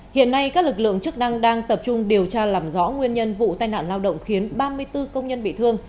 hiện nay các lực lượng chức năng đang tập trung điều tra làm rõ nguyên nhân vụ tai nạn lao động khiến ba mươi bốn công nhân bị thương